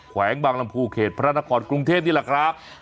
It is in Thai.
แขวงบางลำพูเขตพระนครกรุงเทพนี่แหละครับ